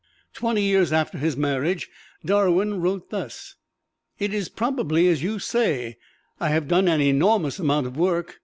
Twenty years after his marriage, Darwin wrote thus: "It is probably as you say I have done an enormous amount of work.